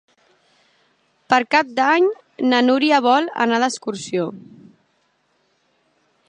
Per Cap d'Any na Núria vol anar d'excursió.